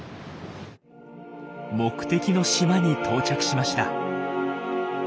目的の島に到着しました。